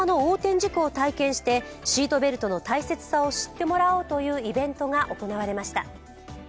事故を体験してシートベルトの大切さを知ってもらおうというイベントが行われました。